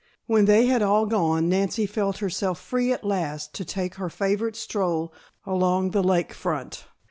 When they had all gone Nancy felt herself free at last to take her favorite stroll along the lake front.